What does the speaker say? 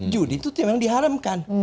judi itu memang diharamkan